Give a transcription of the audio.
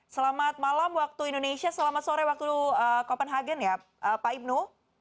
selamat malam waktu indonesia selamat sore waktu copenhagen ya pak ibnu